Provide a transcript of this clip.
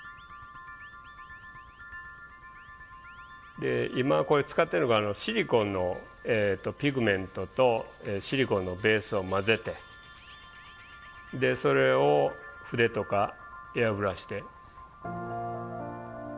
で今これ使ってるのがシリコンのピグメントとシリコンのベースを混ぜてでそれを筆とかエアブラシで。